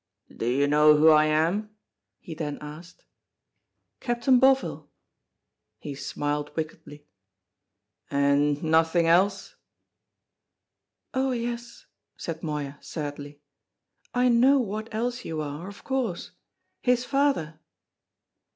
"Do you know who I am?" he then asked. "Captain Bovill." He smiled wickedly. "And nothing else?" "Oh, yes," said Moya, sadly; "I know what else you are, of course. His father!"